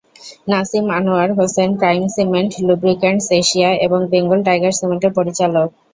Nasim Anwar Hossain prime cement, lubricants Asia এবং Bengal tiger সিমেন্টের পরিচালক।